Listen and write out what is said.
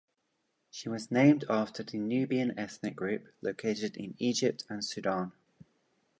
She was named after the Nubian ethnic group, located in Egypt and Sudan.